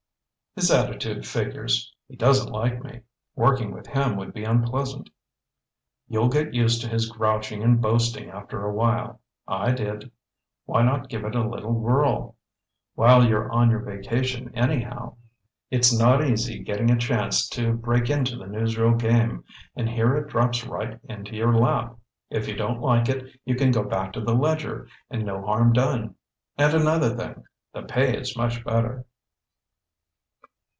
"His attitude figures. He doesn't like me. Working with him would be unpleasant." "You'll get used to his grouching and boasting after awhile. I did. Why not give it a little whirl—while you're on your vacation anyhow? It's not easy, getting a chance to break into the newsreel game, and here it drops right into your lap. If you don't like it, you can go back to the Ledger and no harm done. And another thing, the pay is much better."